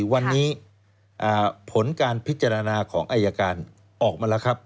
วันนี้ผลการพิจารณาของอายการออกมาแล้วครับ